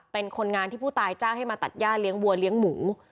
เป็นคนงานที่ผู้ตายจ้างให้มาตัดย่าเลี้ยวัวเลี้ยงหมู